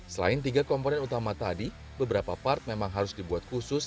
selain tiga komponen utama tadi beberapa part memang harus dibuat khusus